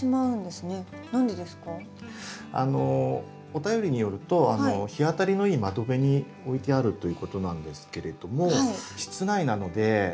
お便りによると日当たりのいい窓辺に置いてあるということなんですけれども室内なので日光不足が一番の原因かなと思うんです。